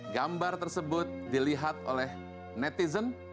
gambar tersebut dilihat oleh netizen